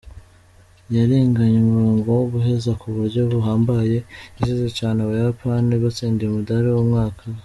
Yarenganye umurongo wo guheza ku buryo buhambaye, yasize cane Abayapani batsindiye umudari w'umwakaka.